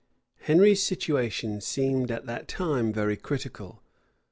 Henry's situation seemed at that time very critical.